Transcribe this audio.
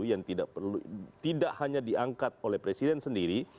yang tidak hanya diangkat oleh presiden sendiri